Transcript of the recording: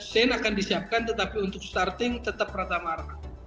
saya pikir akan disiapkan tetapi untuk starting tetap pratama arhan